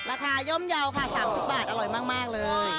ย่อมเยาว์ค่ะ๓๐บาทอร่อยมากเลย